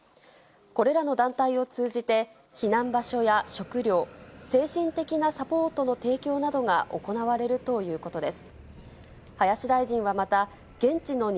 これらの団体を通じて、避難場所や食料、精神的なサポートの提供などが行われるということです。